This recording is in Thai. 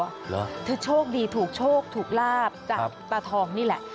เหรอเธอโชคดีถูกโชคถูกลาบจากตาทองนี่แหละ